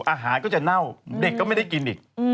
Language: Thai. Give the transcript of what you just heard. อาหารก็จะเน่าเด็กก็ไม่ได้กินอีก